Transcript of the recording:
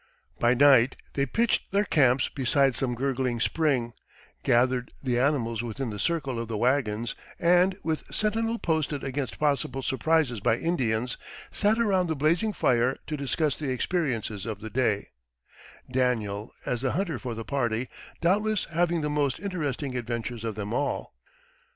By night they pitched their camps beside some gurgling spring, gathered the animals within the circle of the wagons, and, with sentinel posted against possible surprises by Indians, sat around the blazing fire to discuss the experiences of the day Daniel, as the hunter for the party, doubtless having the most interesting adventures of them all.